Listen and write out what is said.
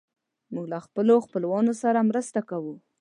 موږ له خپلو خپلوانو سره مرسته کوو.